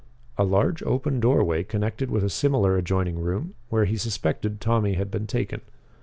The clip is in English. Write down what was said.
A large open doorway connected with a similar adjoining room, where he suspected Tommy had been taken.